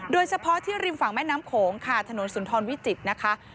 โดยเฉพาะที่ริมฝั่งแม่น้ำโขงค่ะถนนสุนทรวิจิตรนะคะ